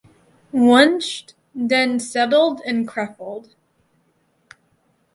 Wunsch then settled in Krefeld.